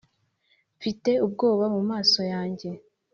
mfite ubwoba mumaso yanjye